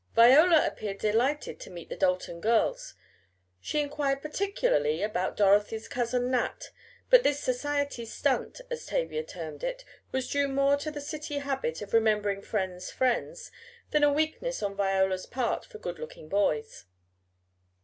Viola appeared delighted to meet the Dalton girls she inquired particularly about Dorothy's cousin Nat, but this society "stunt," as Tavia termed it, was due more to the city habit of remembering friends' friends, than a weakness on Viola's part for good looking boys.